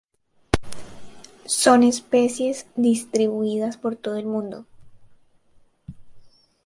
Son especies distribuidas por todo el mundo.